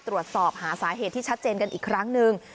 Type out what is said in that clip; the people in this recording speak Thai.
ตรวจสอบหาสาเหตุที่ชัดเจนกันอีกครั้งหนึ่ง